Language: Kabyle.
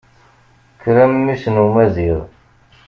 Kker, a mmi-s n umaziɣ!